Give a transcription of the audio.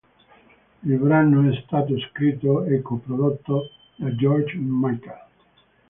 Il brano è stato scritto e coprodotto da George Michael.